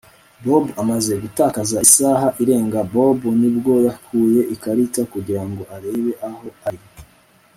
Bobo amaze gutakaza isaha irenga Bobo ni bwo yakuye ikarita kugirango arebe aho ari